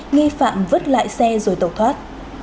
nghi phạm vứt lại xe rồi tẩu thoát